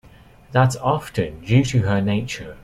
That's often due to their nature.